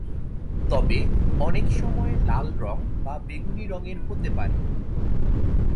তবে অনেকসময় লাল রঙ বা বেগুনী রঙের হতে পারে।